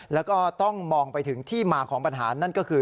แล้วก็ต้องมองไปถึงที่มาของปัญหานั่นก็คือ